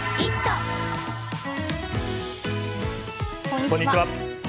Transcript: こんにちは。